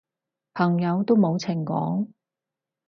朋友都冇情講